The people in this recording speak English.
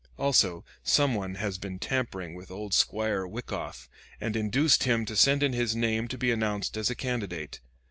Also some one has been tampering with old squire Wyckoff, and induced him to send in his name to be announced as a candidate.